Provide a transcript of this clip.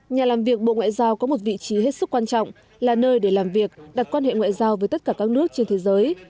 nhà làm việc bộ ngoại giao có một vị trí hết sức quan trọng là nơi để làm việc đặt quan hệ ngoại giao với tất cả các nước trên thế giới